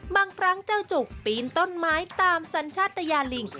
บางครั้งเจ้าจุกปีนต้นไม้ตามสัญชาติยาลิง